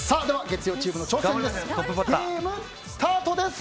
月曜チームの挑戦です。